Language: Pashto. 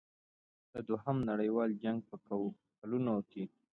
د دوهم نړیوال جنګ په کلونو کې.